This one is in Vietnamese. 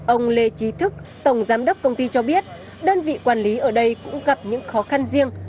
ông lê trí thức tổng giám đốc công ty cho biết đơn vị quản lý ở đây cũng gặp những khó khăn riêng